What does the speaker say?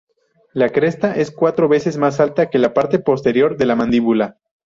La cresta es cuatro veces más alta que la parte posterior de la mandíbula.